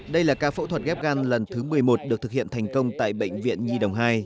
đây là ca phẫu thuật ghép gan lần thứ một mươi một được thực hiện thành công tại bệnh viện nhi đồng hai